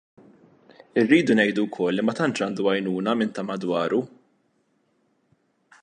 Irridu ngħidu wkoll li ma tantx għandu għajnuna minn ta' madwaru.